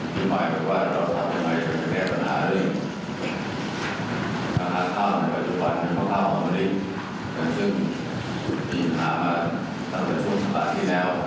ปัญหาภายในของเรียนของทุกเรือสมมุติ